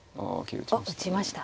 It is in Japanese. おっ打ちました。